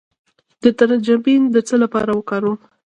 د ترنجبین د څه لپاره وکاروم؟